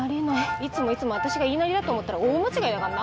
いつもいつも私が言いなりだと思ったら大間違いだかんな。